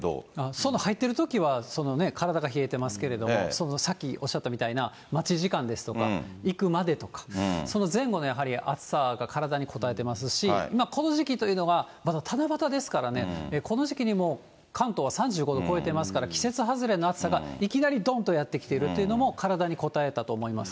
その入ってるときは、体が冷えてますけれども、その先、おっしゃったみたいな待ち時間ですとか、行くまでとか、その前後の暑さが体にこたえてますし、この時期というのは、まだ七夕ですからね、この時期にも関東は３５度超えていますから、季節外れの暑さがいきなりどんとやって来ているというのも、体にこたえたと思います。